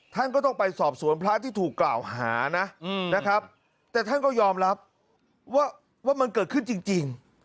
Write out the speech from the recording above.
ท่านก็ต้องไปสอบสวนพระที่ถูกกล่าวหานะนะครับแต่ท่านก็ยอมรับว่ามันเกิดขึ้นจริง